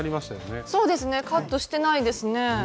そうですねカットしてないですね。